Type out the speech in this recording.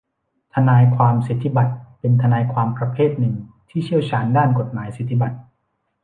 ทนายความสิทธิบัตรเป็นทนายความประเภทหนึ่งที่เชี่ยวชาญด้านกฎหมายสิทธิบัตร